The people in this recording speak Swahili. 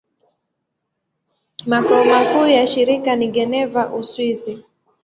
Makao makuu ya shirika ni Geneva, Uswisi.